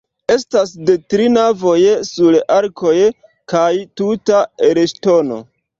Estas de tri navoj sur arkoj kaj tuta el ŝtono.